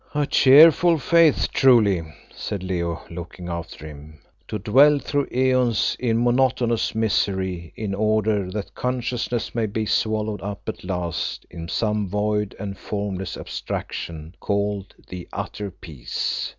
"A cheerful faith, truly," said Leo, looking after him, "to dwell through aeons in monotonous misery in order that consciousness may be swallowed up at last in some void and formless abstraction called the 'Utter Peace.